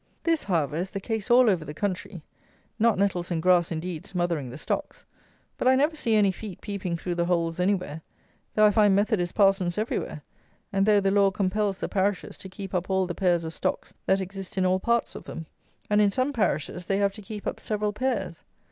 This, however, is the case all over the country; not nettles and grass indeed smothering the stocks, but I never see any feet peeping through the holes anywhere, though I find Methodist parsons everywhere, and though the law compels the parishes to keep up all the pairs of stocks that exist in all parts of them; and, in some parishes, they have to keep up several pairs.